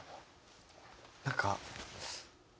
何か。